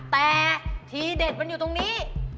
แต่ทีเด็ดมันอยู่ตรงนี้